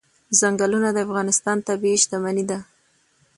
ځنګلونه د افغانستان طبعي شتمني ده.